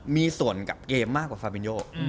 มีส่วนกับเกมมากกว่าฟาบินโย